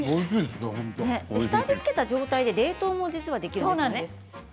下味を付けた状態で冷凍もできるんですよね。